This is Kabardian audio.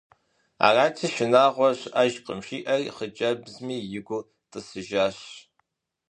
Арати, шынагъуэ щыӏэжкъым жиӏэри, хъыджэбзми и гур тӏысыжащ.